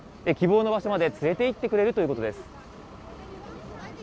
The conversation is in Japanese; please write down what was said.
希望の場所まで連れていってくれるということです。